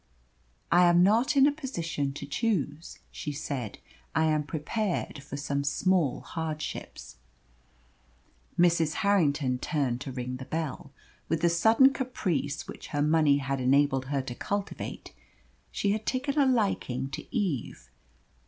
"I am not in a position to choose," she said. "I am prepared for some small hardships." Mrs. Harrington turned to ring the bell. With the sudden caprice which her money had enabled her to cultivate, she had taken a liking to Eve.